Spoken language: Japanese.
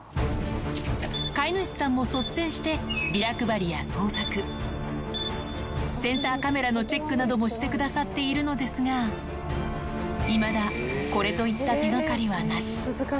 飼い主さんも率先してビラ配りや捜索、センサーカメラのチェックなどもしてくださっているのですが、いまだこれといった手がかりはなし。